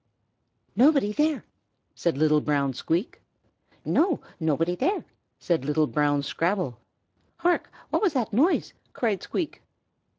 "Nobody there!" said little brown Squeak. "No, nobody there!" said little brown Scrabble. "Hark! what was that noise?" cried Squeak.